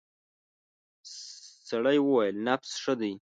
سړی وویل نبض ښه دی.